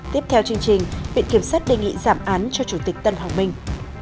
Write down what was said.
tiếp theo chương trình viện kiểm sát đề nghị giảm án cho chủ tịch tân hoàng minh